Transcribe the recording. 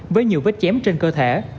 với nhiều vết chém trên cơ thể